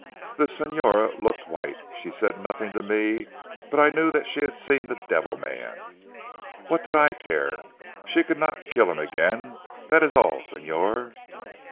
The Signora looked white. She said nothing to me but I knew that she had seen the devil man. What did I care. She could not kill him again. That is all Signor."